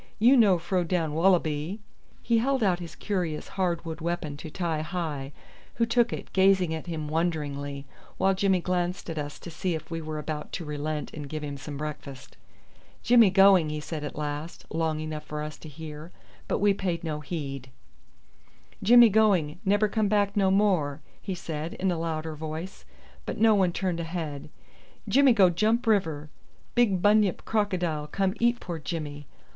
You no fro down wallaby." He held out his curious hard wood weapon to Ti hi, who took it, gazing at him wonderingly, while Jimmy glanced at us to see if we were about to relent and give him some breakfast. "Jimmy going," he said at last, loud enough for us to hear; but we paid no heed. "Jimmy going; nebber come back no more," he said in a louder voice; but no one turned a head. "Jimmy go jump river. Big bunyip crocodile come eat poor Jimmy.